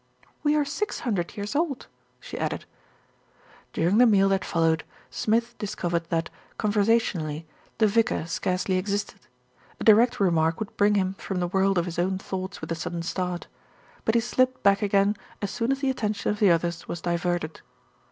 "We are six hundred years old," she added. During the meal that followed, Smith discovered that, conversationally, the vicar scarcely existed. A direct remark would bring him from the world of his own thoughts with a sudden start; but he slipped back again as soon as the attention of the others was di verted.